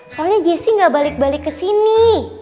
soalnya jesi gak balik balik kesini